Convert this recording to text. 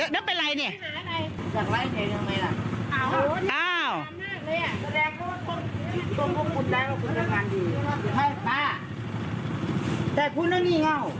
นั่นเป็นอะไรเนี่ย